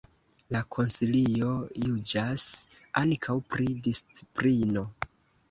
La Konsilio juĝas ankaŭ pri disciplino.